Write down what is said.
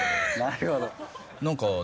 なるほど。